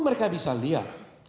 mereka bisa lihat